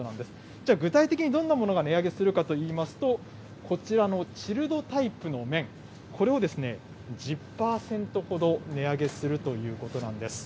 じゃあ、具体的にどんなものが値上げするかといいますと、こちらのチルドタイプの麺、これを１０％ほど値上げするということなんです。